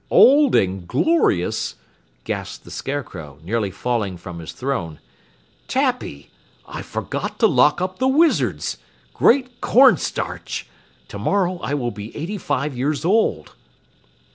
"Old and glorious?" gasped the Scarecrow, nearly falling from his throne. "Tappy! I forgot to lock up the wizards. Great Cornstarch! Tomorrow I will be eighty five years old."